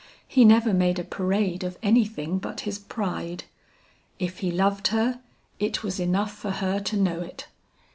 He never made a parade of anything but his pride. If he loved her, it was enough for her to know it.